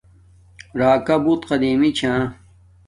راکا بوت قدیمی چھا